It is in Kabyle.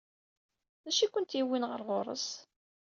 D acu i kent-yewwin ɣer ɣur-s?